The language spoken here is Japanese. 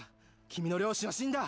君の両親は死んだ！